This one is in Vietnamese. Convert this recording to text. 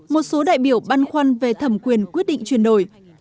một số đại biểu băn khoăn về thẩm quyền quyết định chuyển đổi